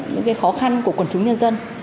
những cái khó khăn của quần chúng nhân dân